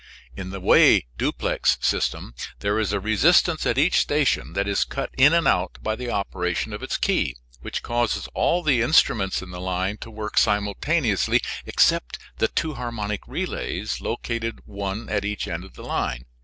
In the Way duplex system there is a resistance at each station that is cut in and out by the operation of its key, which causes all the instruments in the line to work simultaneously except the two harmonic relays located one at each end of the line.